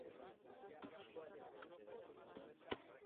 Entre ellos, cubren la totalidad del área continental del país.